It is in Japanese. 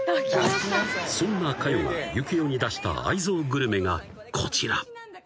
［そんな香世が由岐雄に出した愛憎グルメがこちら］